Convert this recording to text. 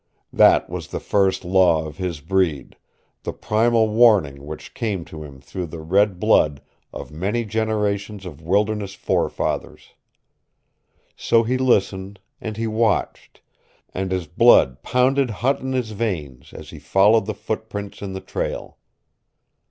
That was the first law of his breed, the primal warning which came to him through the red blood of many generations of wilderness forefathers. So he listened, and he watched, and his blood pounded hot in his veins as he followed the footprints in the trail.